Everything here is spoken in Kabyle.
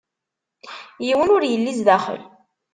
Yiwen ur yelli zdaxel.